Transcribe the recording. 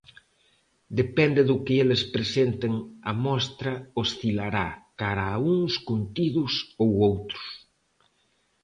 Depende do que eles presenten a Mostra oscilará cara a uns contidos ou outros.